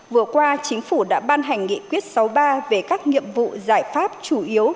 vừa qua chính phủ đã ban hành nghị quyết sáu mươi ba về các nhiệm vụ giải pháp chủ yếu